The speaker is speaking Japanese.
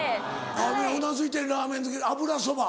皆うなずいてるラーメン好き油そば？